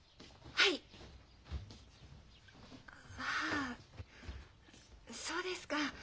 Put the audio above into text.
はあそうですか。